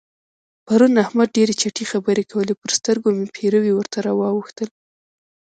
پرون احمد ډېرې چټي خبرې کول؛ پر سترګو مې پېروي ورته راواوښتل.